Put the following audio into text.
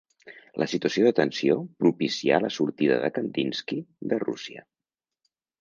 La situació de tensió propicià la sortida de Kandinski de Rússia.